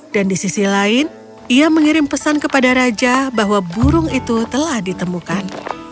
dan di sisi lain ia mengirim pesan kepada raja bahwa burung itu telah ditemukan